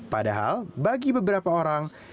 padahal bagi beberapa orang